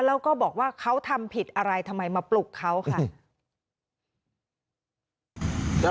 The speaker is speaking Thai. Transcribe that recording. แล้วก็บอกว่าเขาทำผิดอะไรทำไมมาปลุกเขาค่ะ